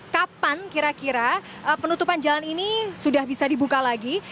kapan kira kira penutupan jalan ini sudah bisa dibuka lagi